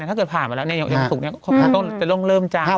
ถ้าเกิดผ่านมาแล้วต้องเริ่มจาน